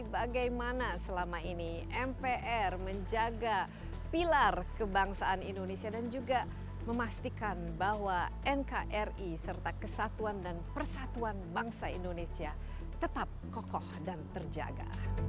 bagaimana selama ini mpr menjaga pilar kebangsaan indonesia dan juga memastikan bahwa nkri serta kesatuan dan persatuan bangsa indonesia tetap kokoh dan terjaga